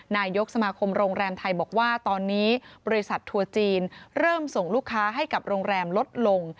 นายกสมาคมโรงแรมไทยบอกว่าตอนนี้บริษัททัวร์จีนเริ่มส่งลูกค้าให้กับโรงแรมลดลง